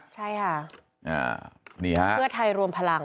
ใช่ค่ะเพื่อไทยรวมพลัง